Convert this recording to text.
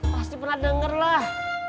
pasti pernah dengarlah